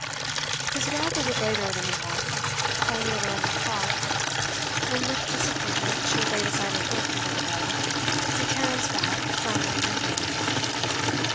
His arrival was later than of wont. Only at eleven o'clock, when with disappointment she had laid aside her book to go to bed, did Tarrant's rap sound on the window.